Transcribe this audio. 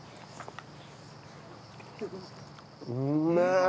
うめえ！